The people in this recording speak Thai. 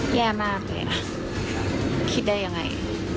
แย่มากเลยนะคิดได้ยังไง